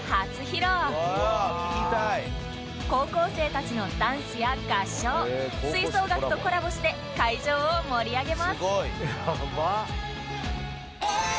高校生たちのダンスや合唱吹奏楽とコラボして会場を盛り上げます！